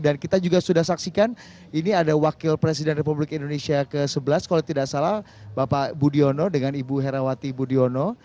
dan kita juga sudah saksikan ini ada wakil presiden republik indonesia ke sebelas kalau tidak salah bapak budiono dengan ibu herawati budiono